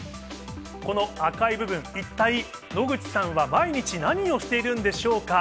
この赤い部分、一体、野口さんは毎日何をしているんでしょうか。